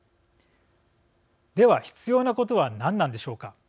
では必要なことは何なんでしょうか。